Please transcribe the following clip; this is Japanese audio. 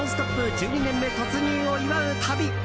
１２年目突入を祝う旅。